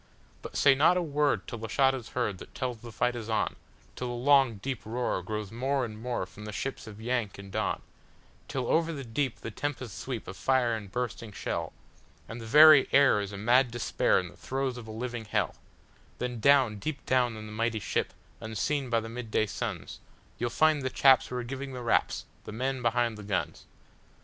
But say not a word till the shot is heard that tells the fight is on, Till the long, deep roar grows more and more from the ships of "Yank" and "Don,"Till over the deep the tempests sweep of fire and bursting shell, And the very air is a mad Despair in the throes of a living hell; Then down, deep down, in the mighty ship, unseen by the midday suns, You 'll find the chaps who are giving the raps—the men behind the guns!